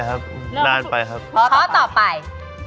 ครับนานไปครับเพราะต่อไป